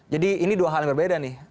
jadi ini dua hal yang berbeda nih